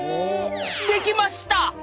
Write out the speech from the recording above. できました！